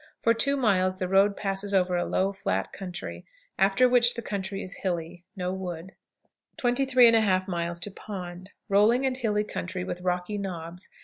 For two miles the road passes over a low, flat country, after which the country is hilly. No wood. 23 1/2. Pond. Rolling and hilly country, with rocky knobs.